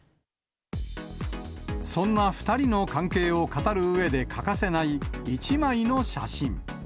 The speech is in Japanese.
そんな２人の関係を語るうえで欠かせない１枚の写真。